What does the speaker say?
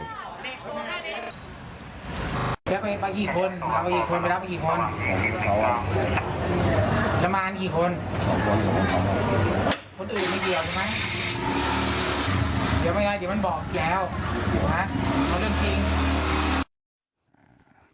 คนอื่นไม่เกี่ยวใช่ไหมเดี๋ยวไม่ได้เดี๋ยวมันบอกแล้วเพราะว่าเรื่องจริง